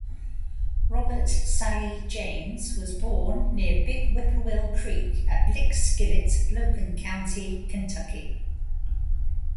Robert Sallee James was born near Big Whippoorwill Creek at Lickskillet, Logan County, Kentucky.